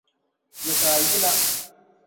Ya ka a yina?